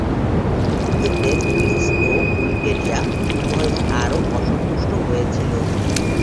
এতে গ্রিস ও বুলগেরিয়া উভয়েই আরো অসন্তুষ্ট হয়েছিল।